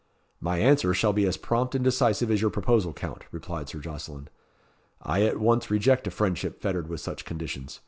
"My answer shall be as prompt and decisive as your proposal, Count," replied Sir Jocelyn. "I at once reject a friendship fettered with such conditions.